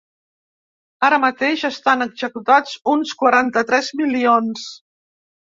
Ara mateix estan executats uns quaranta-tres milions.